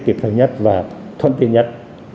kịp thời nhất và thông tin nhất